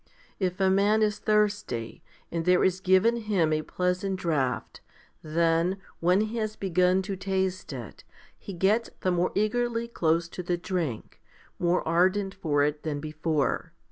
If a man is thirsty, and there is given him a pleasant draught, then, when he has begun to taste it, he gets the more eagerly close to the drink, more ardent for it than before.